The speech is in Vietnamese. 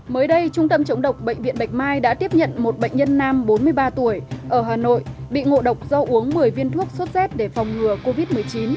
mới đây trung tâm chống độc bệnh viện bạch mai đã tiếp nhận một bệnh nhân nam bốn mươi ba tuổi ở hà nội bị ngộ độc do uống một mươi viên thuốc sốt z để phòng ngừa covid một mươi chín